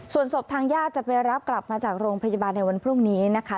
ส่วนศพทางญาติจะไปรับกลับมาจากโรงพยาบาลในวันพรุ่งนี้นะคะ